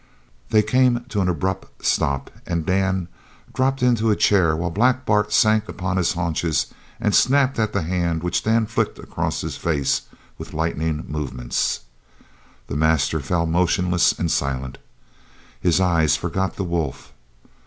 They came to an abrupt stop and Dan dropped into a chair while Black Bart sank upon his haunches and snapped at the hand which Dan flicked across his face with lightning movements. The master fell motionless and silent. His eyes forgot the wolf.